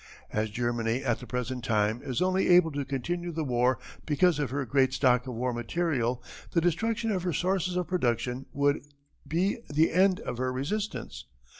"As Germany at the present time is only able to continue the war because of her great stock of war material the destruction of her sources of production would be the end of her resistance.